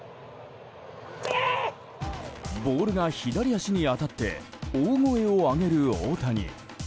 ボールが左足に当たって大声を上げる大谷。